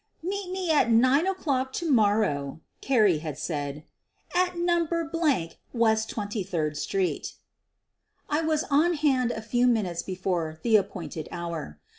"Meet me at 9 o'clock to morrow/ ' Carrie had said, "at No. West Twenty third street.' ' I was on hand a few minutes before the appointed hour.